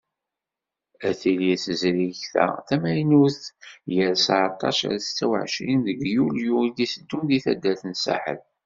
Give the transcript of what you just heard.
Ad tili tezrigt-a tamaynut, gar seεṭac ar setta u εecrin deg yulyu i d-itteddun deg taddart n Saḥel.